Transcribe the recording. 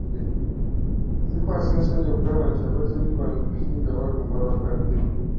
Kikwasa ensonyi okulaba nti abatemu bano okusinga balumba bakadde.